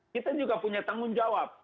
kita juga punya tanggung jawab